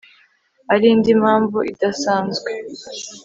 ari indi 'mpamvu idasanzwe